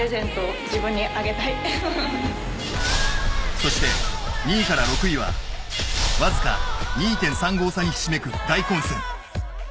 そして２位から６位はわずか２．３５差にひしめく大混戦。